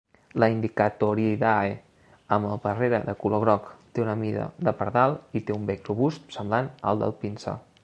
La Indicatoridae amb el darrera de color groc té una mida de pardal i té un bec robust semblant al del pinsà.